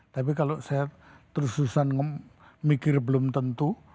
tapi kalau saya terus terusan mikir belum tentu